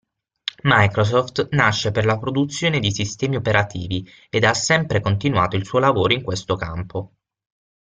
Microsoft nasce per la produzione di sistemi operativi ed ha sempre continuato il suo lavoro in questo campo.